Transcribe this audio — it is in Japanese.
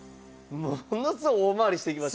ものすごい大回りしていきました。